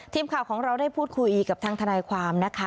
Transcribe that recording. ทีมข่าวของเราได้พูดคุยกับทางทนายความนะคะ